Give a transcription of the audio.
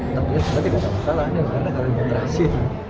tapi itu adalah salahnya karena ada alteriasi